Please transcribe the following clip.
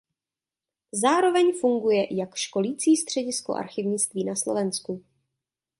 Zároveň funguje jak školící středisko archivnictví na Slovensku.